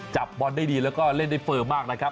จับบอลได้ดีแล้วก็เล่นได้เฟิร์มมากนะครับ